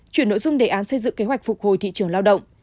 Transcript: chuyển nội dung đề án xây dựng kế hoạch phục hồi thị trường lao động